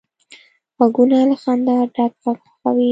غوږونه له خندا ډک غږ خوښوي